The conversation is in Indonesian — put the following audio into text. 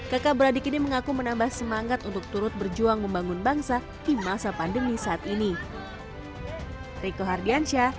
kakak beradik ini mengaku menambah semangat untuk turut berjuang membangun bangsa di masa pandemi saat ini